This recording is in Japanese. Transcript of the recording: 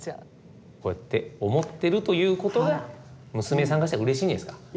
こうやって思ってるということが娘さんからしたらうれしいんじゃないですか。